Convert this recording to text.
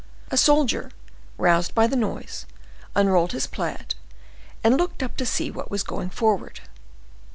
A soldier, roused by the noise, unrolled his plaid, and looked up to see what was going forward.